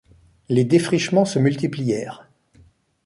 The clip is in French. Les défrichements se multiplièrent.